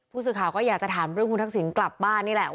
ผู้สื่อข่าวก็อยากจะถามเรื่องคุณทักษิณกลับบ้านนี่แหละ